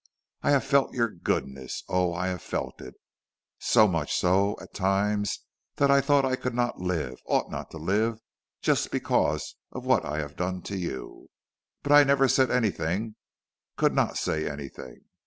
I have felt your goodness, oh, I have felt it, so much so, at times, that I thought I could not live, ought not to live, just because of what I have done to you; but I never said anything, could not say anything!